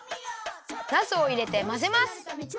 なすをいれてまぜます。